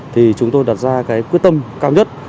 thì chúng tôi đặt ra quyết tâm cao nhất